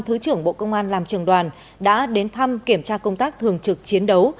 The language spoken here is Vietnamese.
thứ trưởng bộ công an làm trường đoàn đã đến thăm kiểm tra công tác thường trực chiến đấu